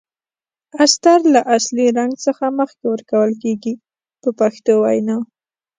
استر له اصلي رنګ څخه مخکې ورکول کیږي په پښتو وینا.